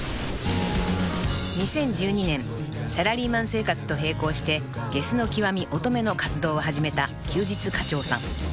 ［２０１２年サラリーマン生活と並行してゲスの極み乙女の活動を始めた休日課長さん］